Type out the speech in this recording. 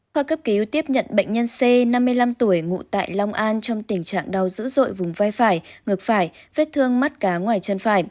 khoa cấp cứu tiếp nhận bệnh nhân c năm mươi năm tuổi ngụ tại long an trong tình trạng đau dữ dội vùng vai phải ngược phải vết thương mắt cá ngoài chân phải